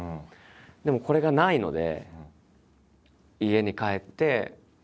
でもこれがないので。